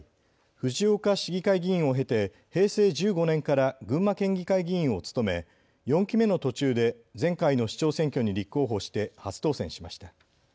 藤岡市議会議員を経て平成１５年から群馬県議会議員を務め４期目の途中で前回の市長選挙に立候補して初当選しました。